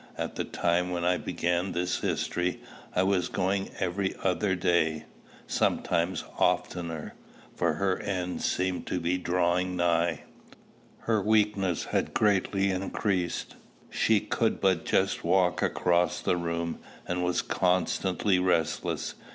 At the time when I began this history, I was going every other day, sometimes oftener, for her end seemed to be drawing nigh. Her weakness had greatly increased: she could but just walk across the room, and was constantly restless.